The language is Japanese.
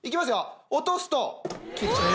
落とすと。